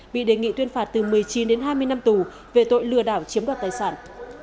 bị đề nghị tuyên phạt từ một mươi chín đến hai mươi năm tù về tội lừa đảo chiếm đoạt tài sản